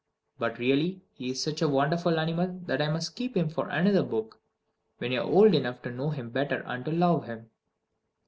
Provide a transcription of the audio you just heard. But really he is such a wonderful animal that I must keep him for another book, when you are old enough to know him better and to love him.